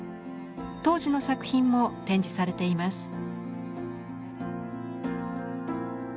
当時の作品も展示されています。